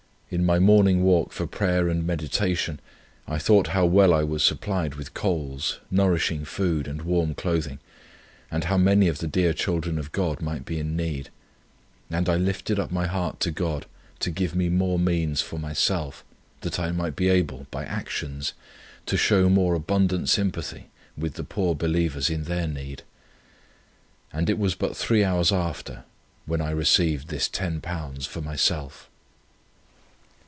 In my morning walk for prayer and meditation I thought how well I was supplied with coals, nourishing food, and warm clothing, and how many of the dear children of God might be in need; and I lifted up my heart to God to give me more means for myself, that I might be able, by actions, to show more abundant sympathy with the poor believers in their need; and it was but three hours after when I received this £10 for myself."